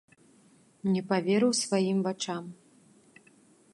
Не паверыў сваім вачам.